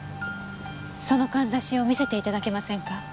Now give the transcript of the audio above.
そのかんざしを見せて頂けませんか？